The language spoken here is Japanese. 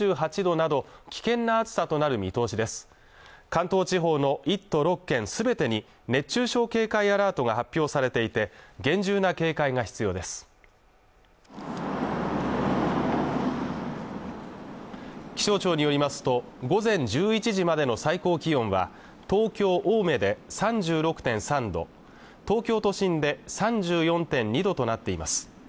関東地方の１都６県すべてに熱中症警戒アラートが発表されていて厳重な警戒が必要です気象庁によりますと午前１１時までの最高気温は東京・青梅で３６．３度東京都心で３４．２度となっています